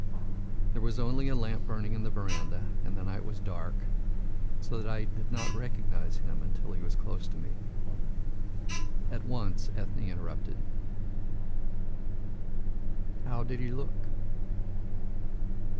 There was only a lamp burning in the verandah, and the night was dark, so that I did not recognise him until he was close to me." And at once Ethne interrupted. "How did he look?"